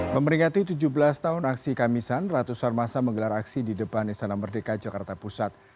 memperingati tujuh belas tahun aksi kamisan ratusan masa menggelar aksi di depan istana merdeka jakarta pusat